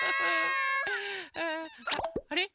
あれ？